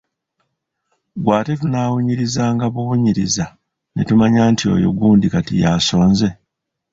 Ggwe ate tunaawunyirizanga buwunyiriza ne tumanya nti oyo gundi kati yasonze ?